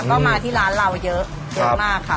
ก็มาที่ร้านเราเยอะเยอะมากค่ะ